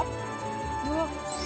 うわっ。